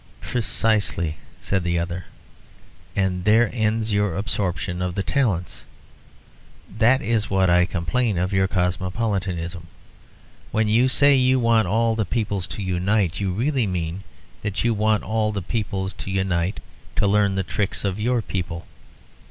"Precisely," said the other; "and there ends your absorption of the talents. That is what I complain of your cosmopolitanism. When you say you want all peoples to unite, you really mean that you want all peoples to unite to learn the tricks of your people.